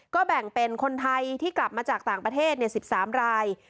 ก็แบ่งเป็นคนไทยที่กลับมาจากต่างประเทศเนี่ยสิบสามราย